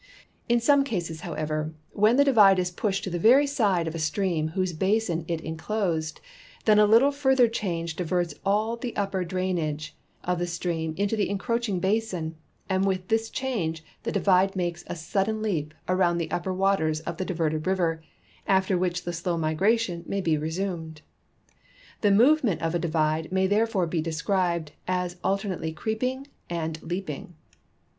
In some cases, however, when the divide is pushed to the very side of a stream whose basin it inclosed, then a little further change diverts all the upper drain age of this stream into the encroaching basin, and with this change the divide makes a sudden leap around the upi)er waters of the diverted river, after which the slow migration may be resumed. The movement of a divide may therefore be described as alternately creeping and leaping.